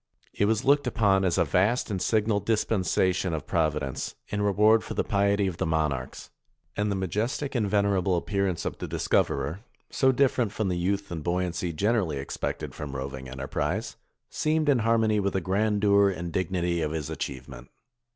It was looked upon as a vast and signal dispensation of Providence, in reward for the piety of the monarchs; and the majestic and venerable appearance of the dis coverer, so different from the youth and buoyancy generally expected from roving enterprise, seemed in harmony with the grandeur and dignity of his achieve ment.